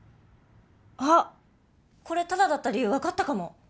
あっこれタダだった理由分かったかも。